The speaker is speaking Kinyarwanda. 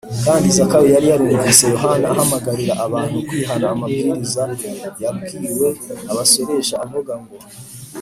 kandi zakayo yari yarumvise yohana ahamagarira abantu kwihana amabwiriza yabwiwe abasoresha avuga ngo